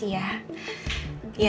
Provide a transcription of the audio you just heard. terima kasih ya